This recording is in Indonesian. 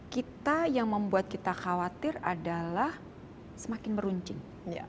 kita yang membuat kita khawatir adalah semakin meruncing